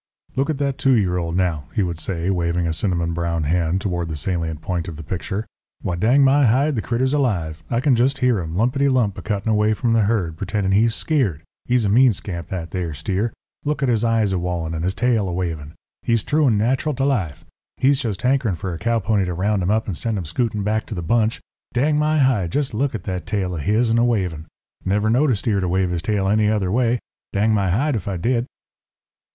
"Look at that two year old, now," he would say, waving a cinnamon brown hand toward the salient point of the picture. "Why, dang my hide, the critter's alive. I can jest hear him, 'lumpety lump,' a cuttin' away from the herd, pretendin' he's skeered. He's a mean scamp, that there steer. Look at his eyes a wallin' and his tail a wavin'. He's true and nat'ral to life. He's jest hankerin' fur a cow pony to round him up and send him scootin' back to the bunch. Dang my hide! jest look at that tail of his'n a wavin'. Never knowed a steer to wave his tail any other way, dang my hide ef I did."